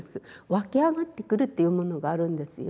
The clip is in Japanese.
わき上がってくるっていうものがあるんですよ。